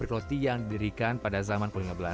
roti tan keng choo